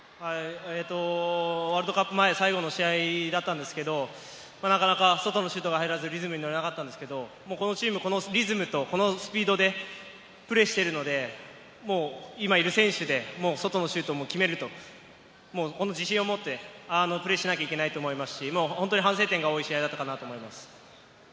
ワールドカップ前、最後の試合だったんですけれど、なかなか外のシュートが入らず、リズムに乗れなかったのですが、リズムとスピードでプレーしているので、今いる選手で外のシュートも決める、自信を持ってプレーしなければいけないと思いますし、反省点が多い試合だったと思います。